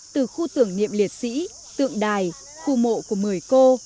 từ khu tưởng niệm liệt sĩ tượng đài khu mộ của một mươi cô